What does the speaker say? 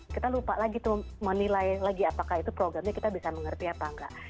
kita lupa lagi tuh menilai lagi apakah itu programnya kita bisa mengerti apa enggak